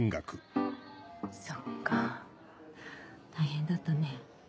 そっか大変だったね。